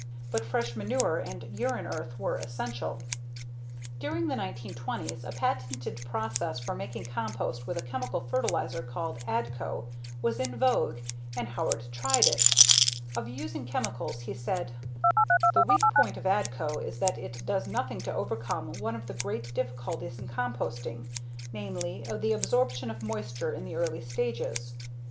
But fresh manure and urine earth were essential. During the 1920s a patented process for making compost with a chemical fertilizer called Adco was in vogue and Howard tried it. Of using chemicals he said: "The weak point of Adco is that it does nothing to overcome one of the great difficulties in composting, namely the absorption of moisture in the early stages.